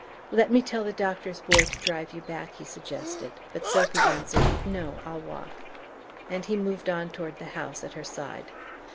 "Let me tell the doctor's boy to drive you back," he suggested; but Sophy answered: "No; I'll walk," and he moved on toward the house at her side.